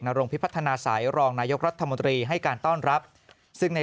รงพิพัฒนาสัยรองนายกรัฐมนตรีให้การต้อนรับซึ่งใน